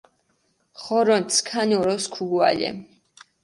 ღორონთ, სქანი ოროს ქუგუალე!